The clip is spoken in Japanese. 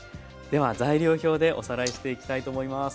では材料表でおさらいしていきたいと思います。